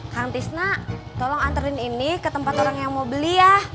kang tisna tolong anterin ini ke tempat orang yang mau beli ya